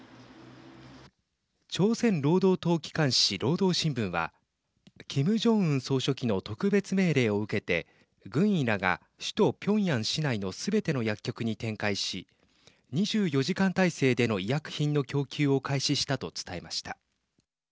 朝鮮労働党機関紙、労働新聞はキム・ジョンウン総書記の特別命令を受けて軍医らが首都ピョンヤン市内のすべての薬局に展開し２４時間態勢での医薬品の供給を開始したと伝えました。